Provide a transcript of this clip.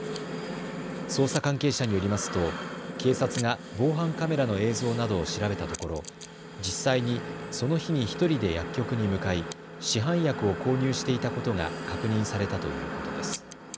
捜査関係者によりますと警察が防犯カメラの映像などを調べたところ実際にその日に１人で薬局に向かい、市販薬を購入していたことが確認されたということです。